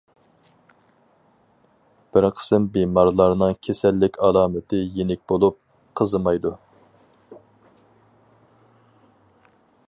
بىر قىسىم بىمارلارنىڭ كېسەللىك ئالامىتى يېنىك بولۇپ، قىزىمايدۇ.